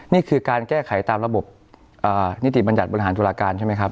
นี่คือการแก้ไขตามระบบนิติบัญญัติบริหารตุลาการใช่ไหมครับ